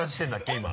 今。